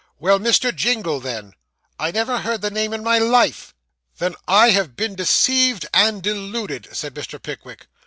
'Well, Mr. Jingle, then.' 'I never heard the name in my life.' 'Then, I have been deceived, and deluded,' said Mr. Pickwick.